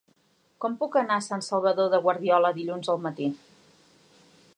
Com puc anar a Sant Salvador de Guardiola dilluns al matí?